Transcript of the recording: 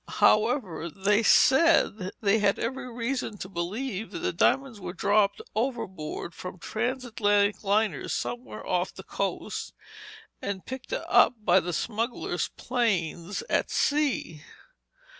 However, they said they had every reason to believe that the diamonds were dropped overboard from trans Atlantic liners somewhere off the coast and picked up by the smugglers' planes at sea.